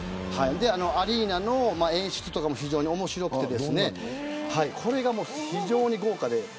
アリーナの演出とかも非常に面白くてこれが非常に豪華で。